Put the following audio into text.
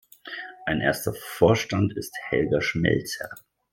Erster Vorstand ist Helga Schmelzer.